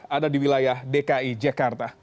ada di wilayah dki jakarta